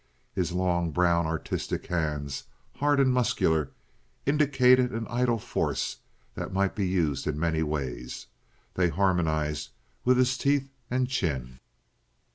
His long, brown, artistic hands, hard and muscular, indicated an idle force that might be used in many ways. They harmonized with his teeth and chin.